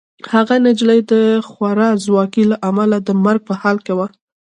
هغه نجلۍ د خوارځواکۍ له امله د مرګ په حال کې وه.